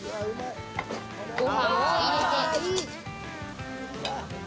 ご飯を入れて。